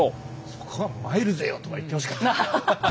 そこは「まいるぜよ」とか言ってほしかったなあ。